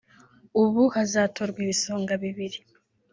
ubu hazatorwa ibisonga bibiri